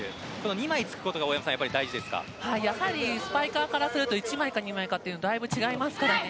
２枚つくことが、大山さんやはりスパイカーからすると１枚か２枚かはだいぶ違いますからね。